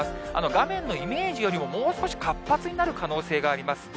画面のイメージよりももう少し活発になる可能性があります。